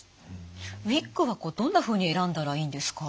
ウイッグはどんなふうに選んだらいいんですか？